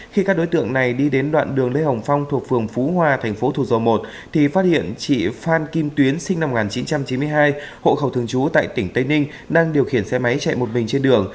khi các đối tượng này đi đến đoạn đường lê hồng phong thuộc phường phú hòa thành phố thủ dầu một thì phát hiện chị phan kim tuyến sinh năm một nghìn chín trăm chín mươi hai hộ khẩu thường trú tại tỉnh tây ninh đang điều khiển xe máy chạy một mình trên đường